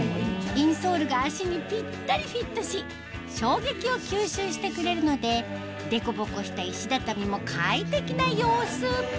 インソールが足にぴったりフィットし衝撃を吸収してくれるのでデコボコした石畳も快適な様子